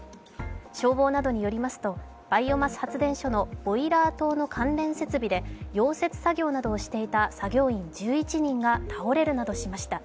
消防などによりますとバイオマス発電所のボイラー棟の関連設備で溶接作業などをしていた作業員１１人が倒れるなどしました。